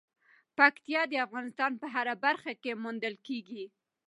پکتیا د افغانستان په هره برخه کې موندل کېږي.